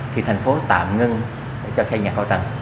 thì thành phố tạm ngưng cho xây nhà hạ tầng